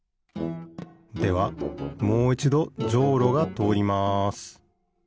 ではもういちどじょうろがとおります